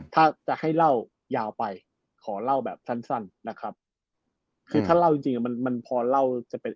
ถ้าจะให้เล่ายาวไปขอเล่าแบบสั้นสั้นนะครับคือถ้าเล่าจริงจริงอ่ะมันมันพอเล่าจะเป็น